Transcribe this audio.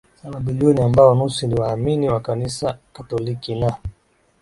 Saba bilioni ambao nusu ni waamini wa Kanisa Katoliki na